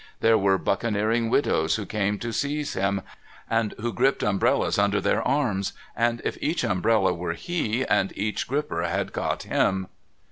There were buccaneering widows who came to seize him, and who griped umbrellas under their arms, and if each umbrella were he, and each griper had got him.